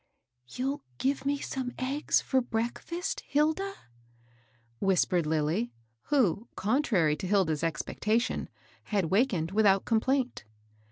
" You'll give me some eggs for breakfast, Hil da?" whispered Lilly, who, contrary to Hilda's expectation, had wakened without complaint.